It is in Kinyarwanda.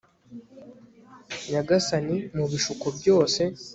nyagasani, mu bishuko byose